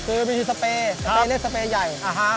คือมีชื่อสเปรย์สเปรย์เล็กสเปรย์ใหญ่